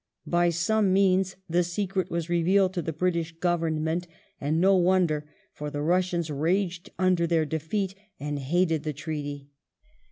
By some means the secret was revealed to the British Government, and no wonder, for the Bussians raged under their defeat and hated the treaty.